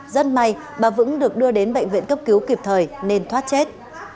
rất may bà vững được đưa đến bệnh viện cấp cứu kịp thời nên thoát chết